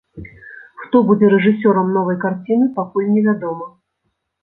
Хто будзе рэжысёрам новай карціны, пакуль невядома.